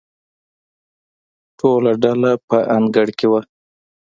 ټوله ډله په انګړ کې وه.